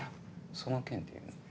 その件っていうのは？